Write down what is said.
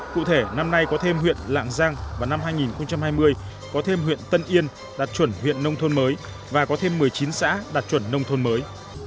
cụ thể năm nay có thêm huyện lạng giang vào năm hai nghìn hai mươi có thêm huyện tân yên đạt chuẩn huyện nông thôn mới và có thêm một mươi chín xã đạt chuẩn nông thôn mới